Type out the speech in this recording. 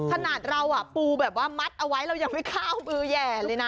ขนาดเราปูแบบว่ามัดเอาไว้เรายังไม่ข้าวมือแห่เลยนะ